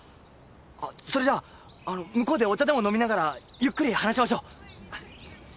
あっそれじゃああの向こうでお茶でも飲みながらゆっくり話しましょう！